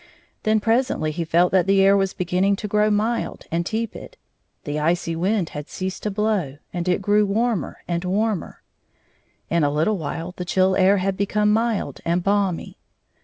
Then presently he felt that the air was begin ning to grow mild and tepid. The icy wind had ceased to blow, and it grew warmer and warmer. In a little while the chill air had be come mild and balmy.